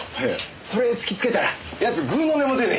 それを突きつけたら奴ぐうの音も出ねえ。